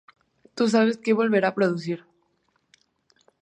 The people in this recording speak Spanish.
Tú sabes que volverá a producir...